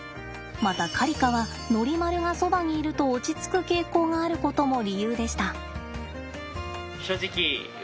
またカリカはノリマルがそばにいると落ち着く傾向があることも理由でした。